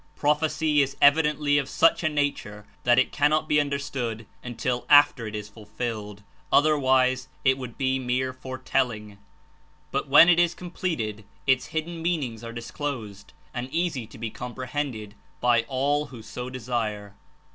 Prophecy is evidently of such a nature that it cannot be understood until after it is fulfilled; other wise it would be mere foretelling. But when it is completed its hidden meanings are disclosed and easy to be comprehended by all who so desire.